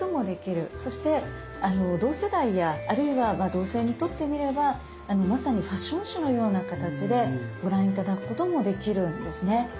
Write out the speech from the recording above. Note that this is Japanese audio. そして同世代やあるいは同性にとってみればまさにファッション誌のような形でご覧頂くこともできるんですね。